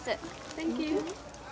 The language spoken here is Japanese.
サンキュー。